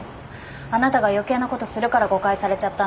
あなたが余計なことするから誤解されちゃったんですから。